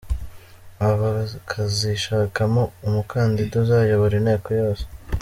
Aba bakazishakamo umukandida uzayobora inteko yose.